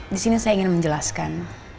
di sini saya ingin menjelaskan